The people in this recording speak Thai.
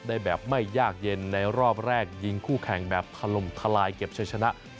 ได้แบบไม่ยากเย็นในรอบแรกยิงคู่แข่งแบบถล่มทลายเก็บใช้ชนะ